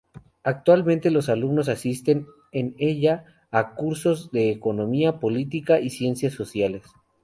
Actualmente los alumnos asisten en ella a cursos de Economía, Política y Ciencias sociales.